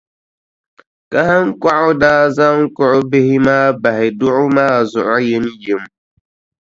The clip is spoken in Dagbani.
Kahiŋkɔɣu daa zaŋ kuɣʼ bihi maa bahi duɣu ma zuɣu yimyim.